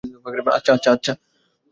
আচ্ছা, আচ্ছা, আচ্ছা!